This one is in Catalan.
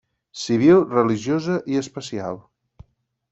Civil, Religiosa i Especial.